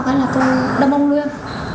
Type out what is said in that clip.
phải là tôi đâm ông luôn